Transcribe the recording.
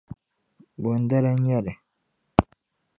Bondali n-nyɛli?